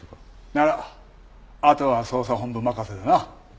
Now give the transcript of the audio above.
ならあとは捜査本部任せだな。